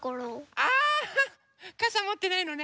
ああかさもってないのね。